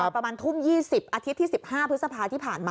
ประมาณทุ่ม๒๐อาทิตย์ที่๑๕พฤษภาที่ผ่านมา